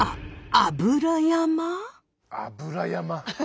油山。